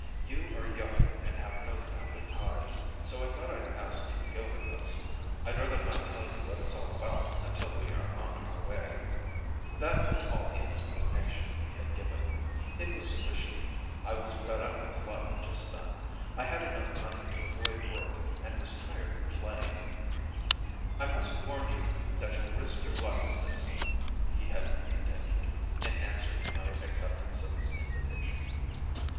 You are young and have no family ties, so I thought I'd ask you to go with us. I'd rather not tell you what it's all about until we are on our way." [Illustration: "Look at the cable!" called Stanley.] That was all the explanation he had given. It was sufficient. I was fed up with life just then: I had enough money to avoid work and was tired of playing. "I must warn you that you'll risk your life in this," he had continued, in answer to my acceptance of his invitation.